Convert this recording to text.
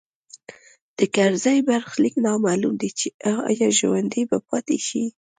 د کرزي برخلیک نامعلوم دی چې ایا ژوندی به پاتې شي